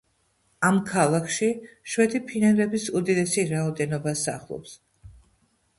ამ ქალაქში შვედი ფინელების უდიდესი რაოდენობა სახლობს.